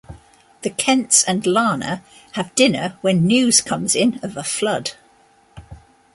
The Kents and Lana have dinner when news comes in of a flood.